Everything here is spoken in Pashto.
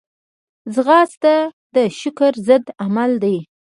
ځغاسته د شکر ضد عمل دی